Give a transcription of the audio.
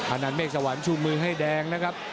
อันนั้นเมฆสวรรค์ชูมือให้แดงนะครับ